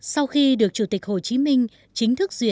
sau khi được chủ tịch hồ chí minh